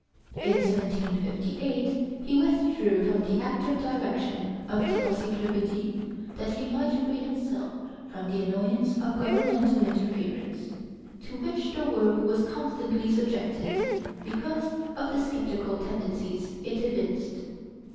In 1758 he withdrew from the active direction of the 'Encyclopédie,' that he might free himself from the annoyance of governmental interference, to which the work was constantly subjected because of the skeptical tendencies it evinced.